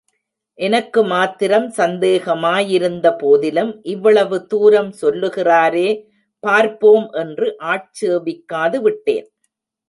எனக்கு மாத்திரம் சந்தேகமாயிருந்த போதிலும் இவ்வளவு தூரம் சொல்லுகிறாரே பார்ப்போம் என்று ஆட்சேபிக்காது விட்டேன்.